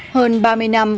hơn ba mươi năm